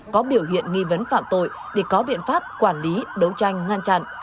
có biểu hiện nghi vấn phạm tội để có biện pháp quản lý đấu tranh ngăn chặn